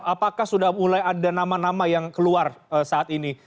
apakah sudah mulai ada nama nama yang keluar saat ini